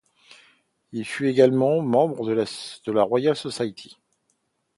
Il fut également membre de la Royal Society.